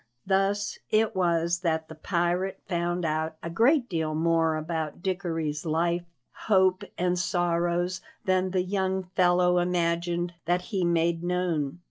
Thus it was that the pirate found out a great deal more about Dickory's life, hope, and sorrows than the young fellow imagined that he made known.